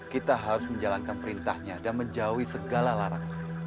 kita harus menjalankan perintahnya dan menjauhi segala larang